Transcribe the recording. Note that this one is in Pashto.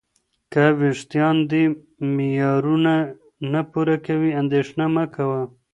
که وېښتان دې معیارونه نه پوره کوي، اندېښنه مه کوه.